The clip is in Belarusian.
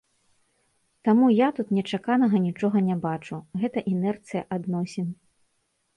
Таму я тут нечаканага нічога не бачу, гэта інэрцыя адносін.